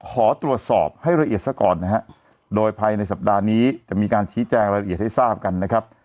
ขอตรวจสอบให้ละเอียดซะก่อนนะฮะโดยภายในสัปดาห์นี้จะมีการชี้แจงรายละเอียดให้ทราบกันนะครับ